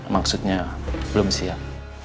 maksudnya belum siap